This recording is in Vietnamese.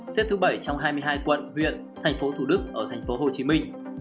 xếp thứ bảy trong hai mươi hai quận huyện thành phố thủ đức ở thành phố hồ chí minh